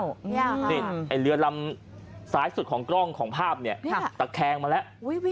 นี่เรือลำซ้ายสุดของกล้องของภาพนี่ตะแคงมาแล้ว